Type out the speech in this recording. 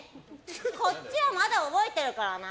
こっちはまだ覚えてるからな。